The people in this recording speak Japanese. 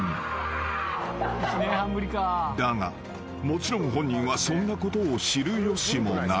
［だがもちろん本人はそんなことを知る由もない］